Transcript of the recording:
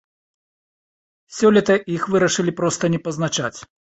Сёлета іх вырашылі проста не пазначаць.